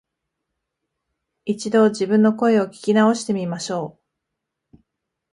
一度、自分の声を聞き直してみましょう